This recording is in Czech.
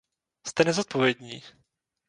Jste nezodpovědní!